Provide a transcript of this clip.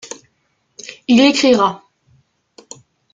Il écrira.